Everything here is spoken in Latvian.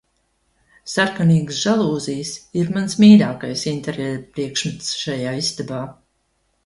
Sarkanīgas žalūzijas ir mans mīļākais interjera priekšmets šajā istabā